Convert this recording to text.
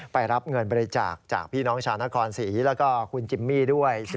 ไปรับเงินบริจาคจากพี่น้องชาวนครศรีแล้วก็คุณจิมมี่ด้วย